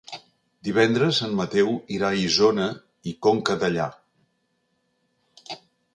Divendres en Mateu irà a Isona i Conca Dellà.